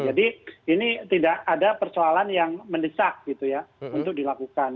jadi ini tidak ada persoalan yang mendesak gitu ya untuk dilakukan